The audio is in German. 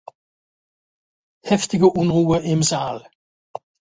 Heftige Unruhe im Saal.